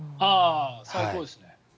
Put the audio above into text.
最高ですね。